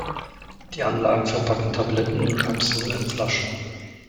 Die Anlagen verpacken Tabletten und Kapseln in Flaschen.